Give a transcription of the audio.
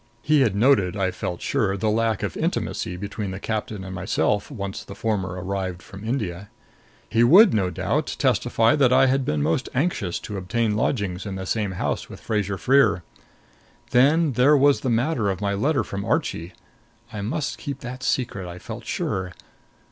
He had noted, I felt sure, the lack of intimacy between the captain and myself, once the former arrived from India. He would no doubt testify that I had been most anxious to obtain lodgings in the same house with Fraser Freer. Then there was the matter of my letter from Archie. I must keep that secret, I felt sure.